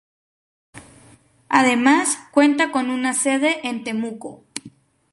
Además cuenta con una sede en Temuco.